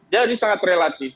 jadi sangat relatif